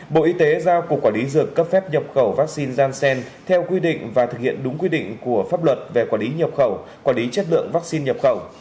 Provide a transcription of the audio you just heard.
bộ y tế giao cục quản lý dược cấp phép nhập khẩu vaccine gian xen theo quy định và thực hiện đúng quy định của pháp luật về quản lý nhập khẩu quản lý chất lượng vaccine nhập khẩu